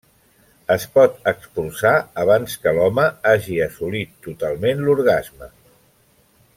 Es pot expulsar abans que l'home hagi assolit totalment l'orgasme.